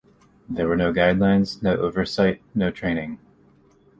There were no guidelines, no oversight, no training.